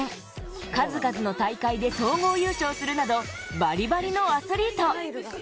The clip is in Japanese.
数々の大会で総合優勝するなど、バリバリのアスリート。